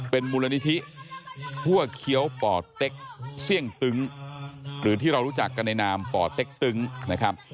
เป็นมูลนิธิหัวเคี้ยวป่อเต็กเสี่ยงตึ้งหรือที่เรารู้จักกันในนามป่อเต็กตึ้งนะครับ